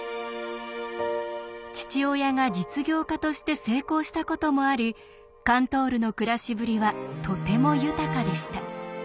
父親が実業家として成功したこともありカントールの暮らしぶりはとても豊かでした。